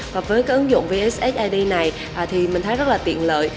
và với cái ứng dụng vssid này thì mình thấy rất là tiện lợi